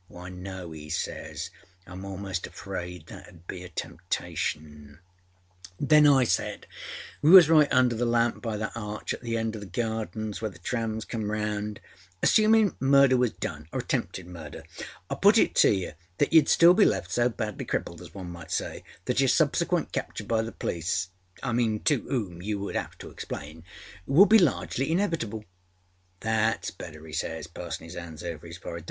â âWhy, no,â he says, âIâm almost afraid that âud be a temptation,â âThen I saidâwe was right under the lamp by that arch at the end oâ the Gardens where the trams came roundââAssuminâ murder was doneâor attempted murderâI put it to you that you would still be left so badly crippled, as one might say, that your subsequent capture by the policeâto âoom you would âave to explainâwould be largely inevitable.â âThatâs better,â âe says, passinâ âis hands over his forehead.